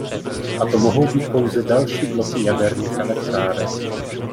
A to mohou být pouze další bloky jaderných elektráren.